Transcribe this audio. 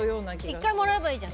１回もらえばいいじゃん。